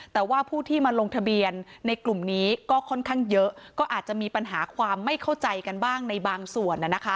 แต่ว่าผู้ที่มาลงทะเบียนในกลุ่มนี้ก็ค่อนข้างเยอะก็อาจจะมีปัญหาความไม่เข้าใจกันบ้างในบางส่วน